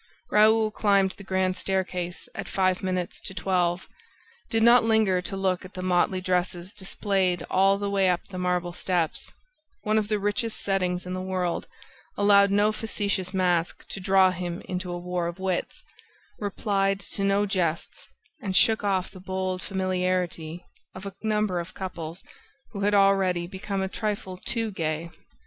Raoul climbed the grand staircase at five minutes to twelve, did not linger to look at the motley dresses displayed all the way up the marble steps, one of the richest settings in the world, allowed no facetious mask to draw him into a war of wits, replied to no jests and shook off the bold familiarity of a number of couples who had already become a trifle too gay.